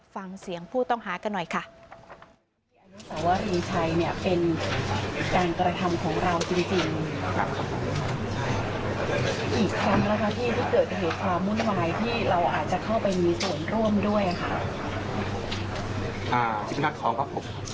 ฟังเสียงผู้ต้องหากันหน่อยค่ะ